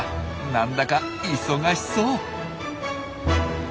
なんだか忙しそう！